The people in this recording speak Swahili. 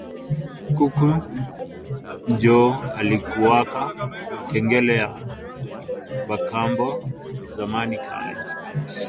Kuku njo alikuwaka kengele ya ba kambo zamani za kale